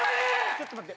ちょっと待って。